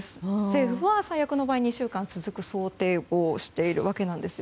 政府は、最悪の場合２週間続く想定をしているわけです。